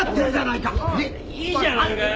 いいじゃないかよ。